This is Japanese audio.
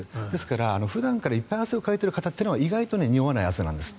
普段からいっぱい汗をかいている方は意外とにおわない汗なんです。